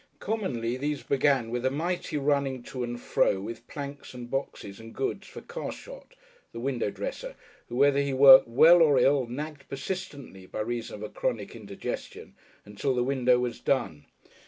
Commonly these began with a mighty running to and fro with planks and boxes and goods for Carshot, the window dresser, who, whether he worked well or ill, nagged persistently by reason of a chronic indigestion, until the window was done.